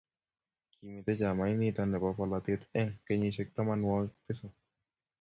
kimito chamait nito nebo bolatet eng' kenyisiek tamanwokik tisap